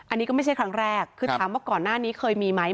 อันนี้ก็ไม่ใช่ครั้งแรกคือถามว่าก่อนหน้านี้เคยมีไหม